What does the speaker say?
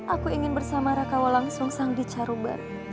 aku ingin bersama rakawa langsung sang dica ruban